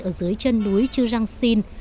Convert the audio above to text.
ở dưới chân núi chư răng xin